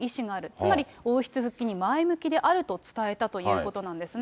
つまり王室復帰に前向きであると伝えたということなんですね。